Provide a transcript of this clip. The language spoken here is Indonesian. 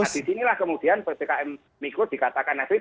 di sinilah kemudian ppkm mikro dikatakan nasib